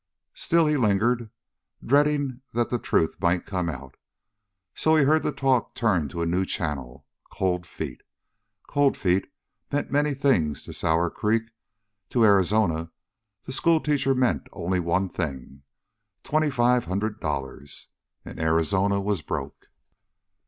Still he lingered, dreading that the truth might out, and so heard the talk turn to a new channel Cold Feet. Cold Feet meant many things to Sour Creek; to Arizona, the schoolteacher meant only one thing twenty five hundred dollars. And Arizona was broke.